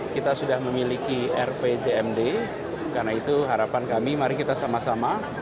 kita sudah memiliki rpjmd karena itu harapan kami mari kita sama sama